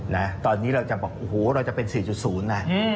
นะตอนนี้เราจะบอกโอ้โหเราจะเป็น๔๐นะ